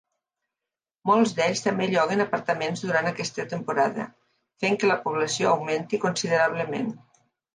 Molts d'ells també lloguen apartaments durant aquesta temporada, fent que la població augmenti considerablement.